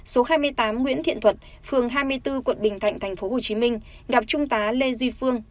số hai mươi tám nguyễn thiện thuật phường hai mươi bốn quận bình thạnh tp hcm gặp trung tá lê duy phương